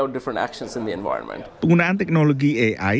atau mereka dapat membantu mereka menulis visual